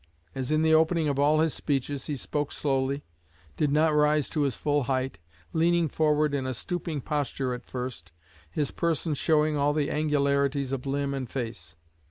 As in the opening of all his speeches, he spoke slowly, did not rise to his full height, leaning forward in a stooping posture at first, his person showing all the angularities of limb and face.